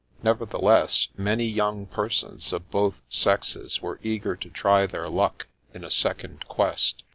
Nevertheless, many young persons of both sexes were eager to try their luck in a second quest.